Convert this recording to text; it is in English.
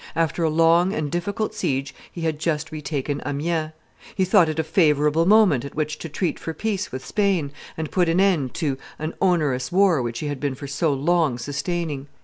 After a long and difficult siege he had just retaken. Amiens. He thought it a favorable moment at which to treat for peace with Spain, and put an end to an onerous war which he had been for so long sustaining.